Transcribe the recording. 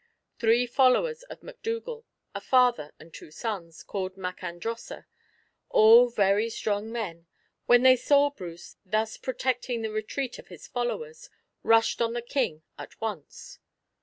Three followers of MacDougal, a father and two sons, called MacAndrosser, all very strong men, when they saw Bruce thus protecting the retreat of his followers, rushed on the King at once.